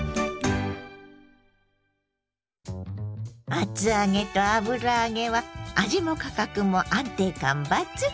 厚揚げと油揚げは味も価格も安定感抜群！